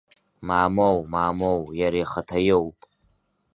Мамоу, мамоу, иара ихаҭа иоуп!